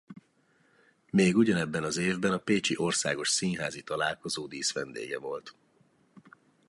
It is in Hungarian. Még ugyanebben az évben a Pécsi Országos Színházi Találkozó díszvendége volt.